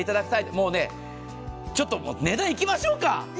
もうね、ちょっと値段いきましょうか。